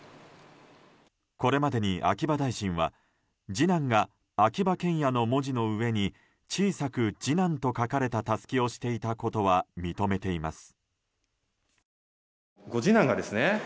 これまでに秋葉大臣は次男が秋葉賢也の文字の上に小さく、次男と書かれたタスキをしていたことは認めています。